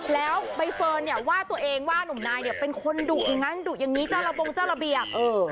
แล้วใบเฟิร์นเนี่ยว่าตัวเองว่าหนุ่มนายเนี่ยเป็นคนดุอย่างนั้นดุอย่างนี้เจ้าระบงเจ้าระเบียบ